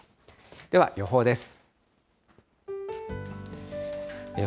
では、予報です。